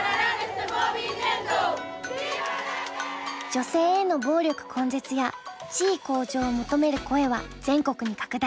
女性への暴力根絶や地位向上を求める声は全国に拡大。